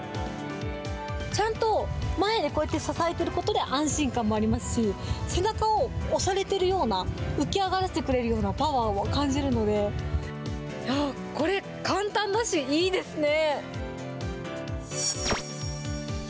ちゃんと前でこうやって支えてることで、安心感もありますし、背中を押されてるような、浮き上がらせてくれるようなパワーを感じるので、これ簡単だし、いいですね。